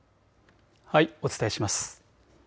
お伝えします。